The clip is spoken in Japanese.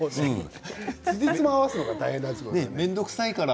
つじつまを合わすのが大変なんだよね。